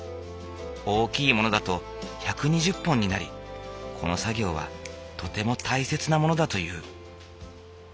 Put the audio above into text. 大きいものだと１２０本になりこの作業はとても大切なものだという。